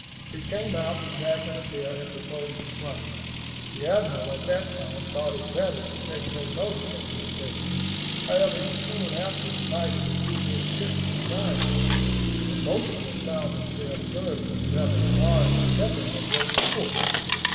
It came out that Jack and Adair had proposed the crime. The Admiral at the time thought it better to take no notice of the affair. However, he soon after invited the two midshipmen to dine with him, and both of them found themselves served with rather a large helping of roast pork.